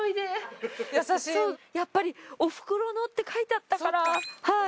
やっぱり「おふくろの」って書いてあったから。